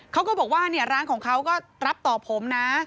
เขาก็บอกว่าร้านของเขาก็รับต่อผมนะ